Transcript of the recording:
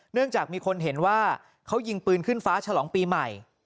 เนื่องจากมีคนเห็นว่าเขายิงปืนขึ้นฟ้าฉลองปีใหม่